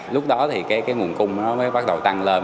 lúc đó thì cái nguồn cung nó mới bắt đầu tăng lên